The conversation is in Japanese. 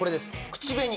口紅。